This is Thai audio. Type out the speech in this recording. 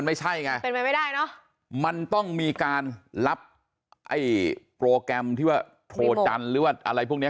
มันไม่ใช่ไงไม่ได้เนาะมันต้องมีการลับแบบโปรแกรมที่ว่าโทรชันค์หรืออะไรพวกนี้